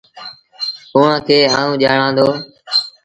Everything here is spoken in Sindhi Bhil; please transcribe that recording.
اُئآݩٚ کي آئوٚنٚ ڄآڻآنٚ دو۔